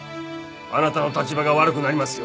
あなたの立場が悪くなりますよ。